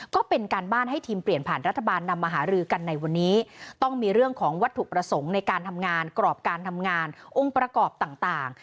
ก็เป็นการบ้านให้ทีมเปลี่ยนผ่านรัฐบาลนำมาหารือกันในวันนี้ต้องมีเรื่องของวัตถุประสงค์ในการทำงานกรอบการทำงานองค์ประกอบต่าง